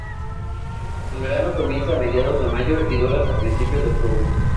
El verano comienza a mediados de mayo y dura hasta principios de octubre.